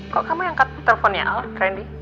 kok kamu yang angkat teleponnya al ke randy